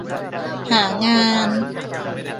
หางาน